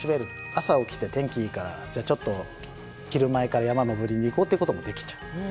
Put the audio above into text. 朝起きて天気いいからじゃあちょっと昼前から山登りに行こうってこともできちゃうぐらいの近さ。